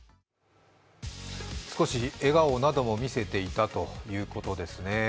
少し笑顔なども見せていたということですね。